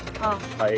はい。